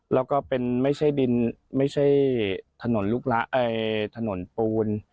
แล้วก็เป็นไม่ใช่ดินไม่ใช่ถนนปูน